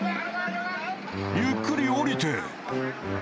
ゆっくり下りて。